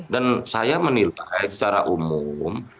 dan saya menilai secara umum